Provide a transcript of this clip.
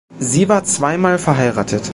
Sie war zweimal verheiratet.